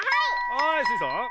はいスイさん。